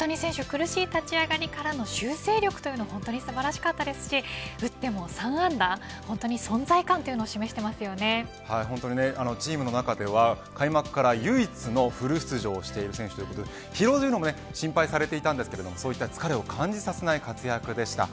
苦しい立ち上がりからの修正力は本当に素晴らしかったですし打っても３安打本当に存在感をチームの中では開幕から唯一のフル出場している選手ということで疲労も心配されていましたがそういった疲れを感じさせない活躍でした。